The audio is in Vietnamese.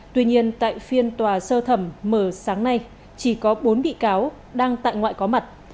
tuy nhiên tại phiên tòa sơ thẩm mở sáng nay chỉ có bốn bị cáo đang tại ngoại có mặt